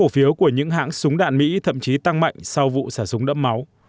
cổ phiếu của những hãng súng đạn mỹ thậm chí tăng mạnh sau vụ xả súng đẫm máu